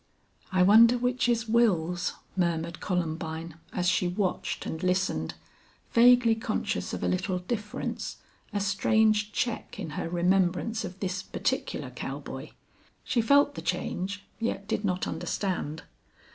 "I wonder which is Wils," murmured Columbine, as she watched and listened, vaguely conscious of a little difference, a strange check in her remembrance of this particular cowboy. She felt the change, yet did not understand.